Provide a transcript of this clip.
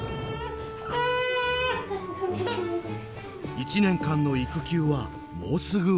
１年間の育休はもうすぐ終わり。